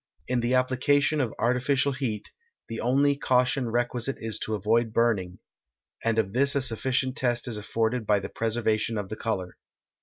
In the application of artificial heat, the only caution requisite is to avoid burning; and of this a sufficient test is afforded by the preservation of the color.